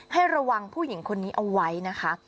ให้ระวังผู้หญิงคนนี้เอาไว้นะคะ